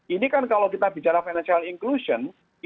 ini kan kalau kita bicara financial inclusion